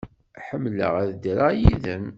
Ḥemmleɣ ad ddreɣ yid-m.